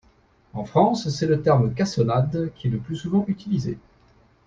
En France, c'est le terme cassonade qui est le plus souvent utilisé.